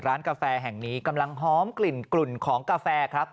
กาแฟแห่งนี้กำลังหอมกลิ่นกลุ่นของกาแฟครับ